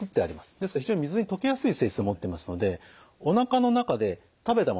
ですから非常に水に溶けやすい性質を持っていますのでおなかの中で食べたもの